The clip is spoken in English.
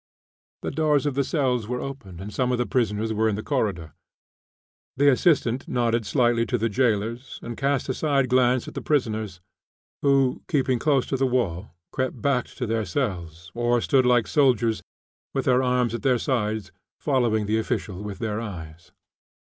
The doors of the cells were open, and some of the prisoners were in the corridor. The assistant nodded slightly to the jailers, and cast a side glance at the prisoners, who, keeping close to the wall, crept back to their cells, or stood like soldiers, with their arms at their sides, following the official with their eyes.